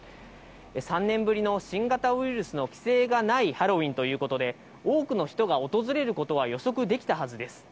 ３年ぶりの新型ウイルスの規制がないハロウィーンということで、多くの人が訪れることは予測できたはずです。